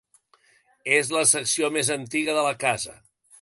És la secció més antiga de la casa.